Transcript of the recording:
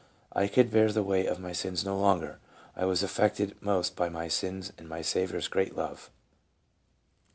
I could bear the weight of my sins no longer I was affected most by my sins and my Saviour's great love."